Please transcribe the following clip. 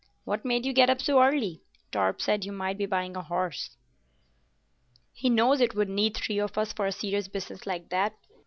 "What made you get up so early? Torp said you might be buying a horse." "He knows it would need three of us for a serious business like that.